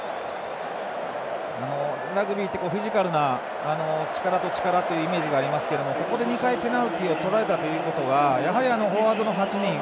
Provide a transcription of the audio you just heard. ラグビーってフィジカルな、力と力というイメージがありますけどここで２回、ペナルティーをとられたということはやはりフォワードの８人。